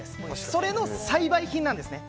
それの栽培品なんですね。